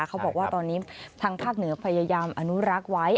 เขาบอกว่าตอนนี้ทางภาคเหนือพยายามอนุรักษ์ไว้